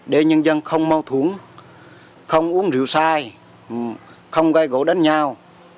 để nhân dân không mau thú không uống rượu sai không gai gỗ đánh nhau